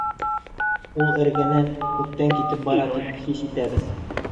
Ул эргәнән, күктән китеп бара тип хис итәбеҙ.